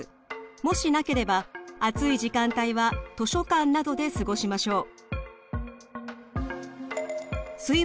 もしなければ暑い時間帯は図書館などで過ごしましょう。